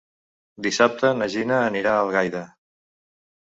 Dissabte na Gina anirà a Algaida.